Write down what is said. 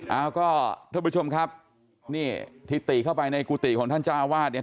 เอาก็ท่านผู้ชมครับนี่ทิติเข้าไปในกุฏิของท่านเจ้าวาดเนี่ย